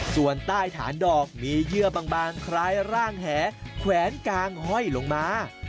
ส่วนใต้ฐานดอกมีเยื่อบางคล้ายร่างแหแขวนกางห้อยลงมา